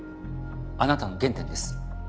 あなたの原点です。